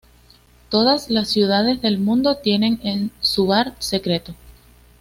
Todas las ciudades del mundo tienen su bar secreto.